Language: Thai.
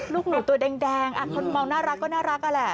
ลูกหนูตัวแดงคนมองน่ารักก็น่ารักอะแหละ